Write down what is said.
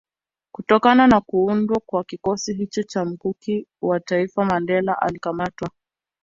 Kutokana na kuundwa kwa kikosi hicho cha Mkuki wa taifa Mandela alikamatwa